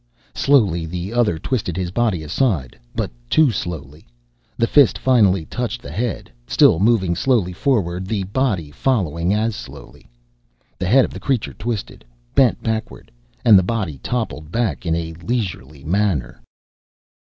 Slowly the other twisted his body aside, but too slowly. The fist finally touched the head, still moving slowly forward, the body following as slowly. The head of the creature twisted, bent backward, and the body toppled back in a leisurely manner.